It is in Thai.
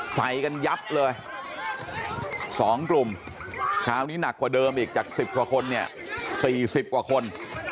ใส่กันยับเลย๒กลุ่มคราวนี้หนักกว่าเดิมอีกจาก๑๐กว่าคนเนี่ย๔๐กว่าคน